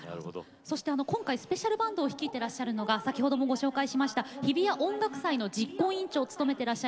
そして今回スペシャルバンドを率いてらっしゃるのが先ほどもご紹介しました日比谷音楽祭の実行委員長を務めてらっしゃいます